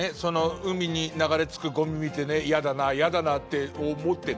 海に流れ着くゴミ見てね「嫌だな嫌だな」って思ってね